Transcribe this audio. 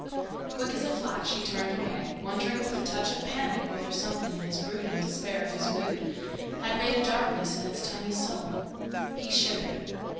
Quick as a flash he turned away, wondering with a touch of panic whether something in the brooding despair of his mood had made a darkness in its tiny soul. He shivered.